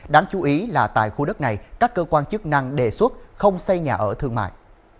đáng chú ý là tại khu đất này các cơ quan chức năng đề xuất không xây nhà ở thương mại